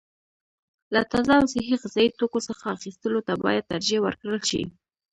له تازه او صحي غذايي توکو څخه اخیستلو ته باید ترجیح ورکړل شي.